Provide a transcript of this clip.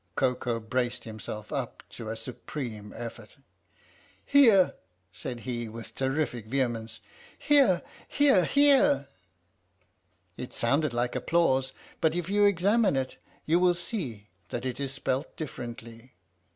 " Koko braced himself up to a supreme effort. " Here! " said he with terrific vehemence. "Here here here! " (It sounded like applause, but if you examine it you will see that it is spelt differently.)